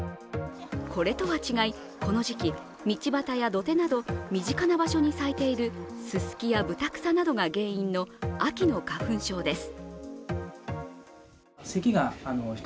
これとは違い、この時期、道端や土手など身近な場所に咲いているススキやブタクサなどが原因の秋の花粉です。